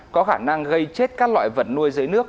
có khả năng gây chết các loại vật nuôi dưới nước